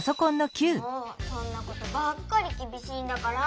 もうそんなことばっかりきびしいんだから。